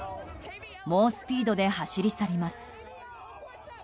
猛スピードで走り去ります。